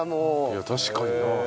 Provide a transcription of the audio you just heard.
いや確かにな。